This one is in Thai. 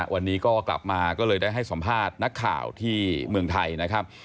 วันนี้ก็กลับมาก็เลยได้ให้สัมภาษณ์นักข่าวที่เมืองไทยนะครับ